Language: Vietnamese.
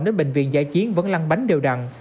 đến bệnh viện giải chiến vẫn lăn bánh đều đặn